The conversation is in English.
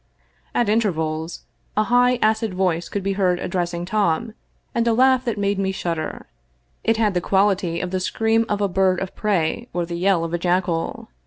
At intervals a high acid voice could be heard addressing Tom, and a laugh that made me shud der ; it had the quality of the scream of a bird of prey or the yell of a jackal.